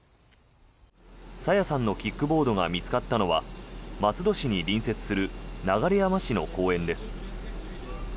朝芽さんのキックボードが見つかったのは松戸市に隣接する流山市の公園です。